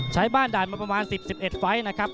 ใช้บ้านด่านมาประมาณ๑๐๑๑ไฟล์นะครับ